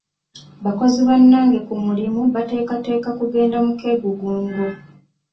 Bakozi bannange ku mulimu beeteekateeka kugenda mu keegugungo.